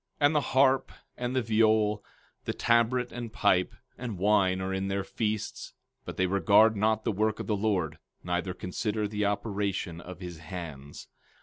15:12 And the harp, and the viol, the tabret, and pipe, and wine are in their feasts; but they regard not the work of the Lord, neither consider the operation of his hands.